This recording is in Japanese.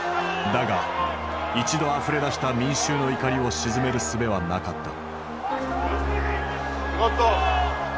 だが一度あふれ出した民衆の怒りを鎮めるすべはなかった。